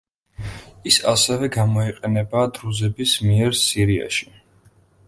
ის ასევე გამოიყენება დრუზების მიერ სირიაში.